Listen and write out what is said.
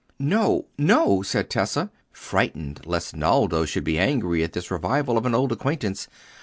"No, no!" said Tessa, frightened lest Naldo should be angry at this revival of an old acquaintance.